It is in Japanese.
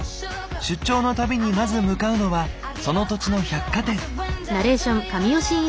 出張の度にまず向かうのはその土地の百貨店。